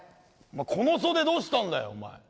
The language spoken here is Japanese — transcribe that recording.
この袖どうしたんだよお前。